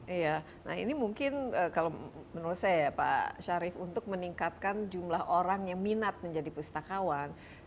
iya nah ini mungkin kalau menurut saya ya pak syarif untuk meningkatkan jumlah orang yang minat menjadi pustakawan